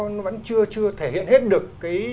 nó vẫn chưa thể hiện hết được